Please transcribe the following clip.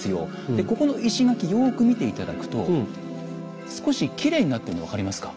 でここの石垣よく見て頂くと少しきれいになってるの分かりますか？